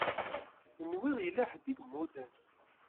Nwiɣ yella ḥedd i yemmuten.